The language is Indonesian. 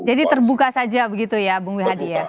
jadi terbuka saja begitu ya bung wi hadi ya